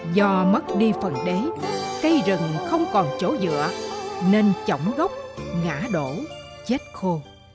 do mất đi phần đáy cây rừng không còn chỗ dựa nên chổng gốc ngã đổ chết khô